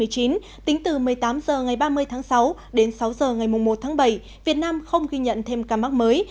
tính từ một mươi tám h ngày ba mươi tháng sáu đến sáu h ngày một tháng bảy việt nam không ghi nhận thêm ca mắc mới